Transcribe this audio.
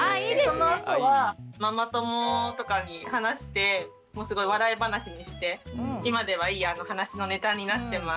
そのあとはママ友とかに話してすごい笑い話にして今ではいい話のネタになってます。